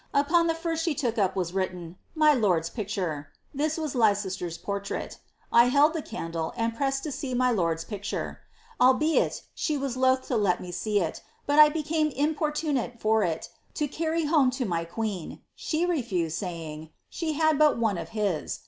Upon the first she took up was written, ^ My lord's e.' This was Leicester's portrait. I held the candle, and pressed * my lord's picture. Albeit, she was loth to let me see it, but I ie importunate for it, to carry home to my queen ; she refused, tr, ^ she had but one of liis.'